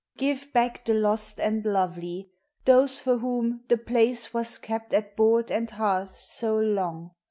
Give back the lost and lovely! — those for whom The place was kept at board and hearth so long